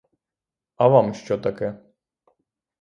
А вам що таке?